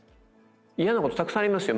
嫌なことたくさんありますよ